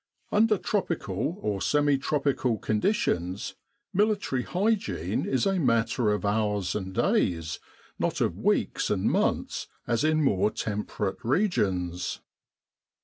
Under tropical or semi tropical conditions, military hygiene is a matter of hours and days, not of weeks and months as in more temperate regions.